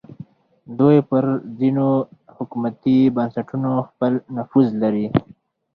دوی پر ځینو حکومتي بنسټونو خپل نفوذ لري